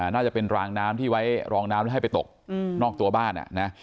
น่าจะเป็นรางน้ำที่ไว้รองน้ำแล้วให้ไปตกนอกตัวบ้าน